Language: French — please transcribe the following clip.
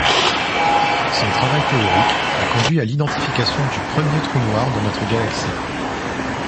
Son travail théorique a conduit à l'identification du premier trou noir dans notre galaxie.